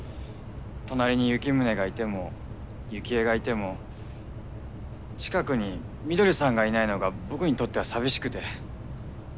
隣にユキムネがいてもユキエがいても近くに翠さんがいないのが僕にとっては寂しくて。